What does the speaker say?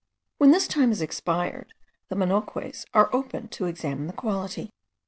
When this time is expired, the manoques are opened to examine the quality.